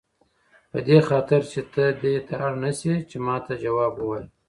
په دې خاطر چې ته دې ته اړ نه شې چې ماته ځواب ووایې.